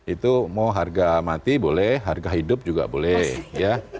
itu mau harga mati boleh harga hidup juga boleh ya